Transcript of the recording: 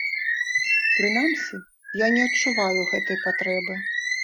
Прынамсі, я не адчуваю гэтай патрэбы.